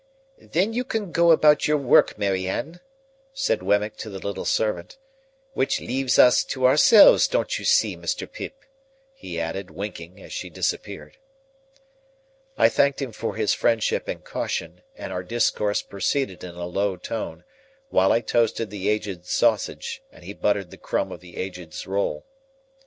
"Then you can go about your work, Mary Anne," said Wemmick to the little servant; "which leaves us to ourselves, don't you see, Mr. Pip?" he added, winking, as she disappeared. I thanked him for his friendship and caution, and our discourse proceeded in a low tone, while I toasted the Aged's sausage and he buttered the crumb of the Aged's roll.